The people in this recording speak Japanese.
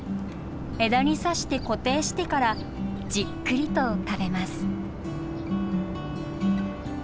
枝に刺して固定してからじっくりと食べます。